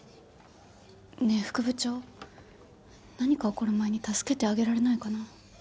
ねえ副部長何か起こる前に助けてあげられないかな？